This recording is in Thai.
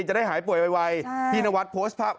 จะได้หายป่วยไวพี่นวัดโพสต์ภาพ